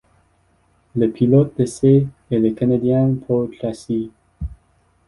Le pilote d'essais est le Canadien Paul Tracy.